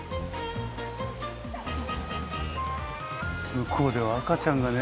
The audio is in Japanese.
向こうでは赤ちゃんがね。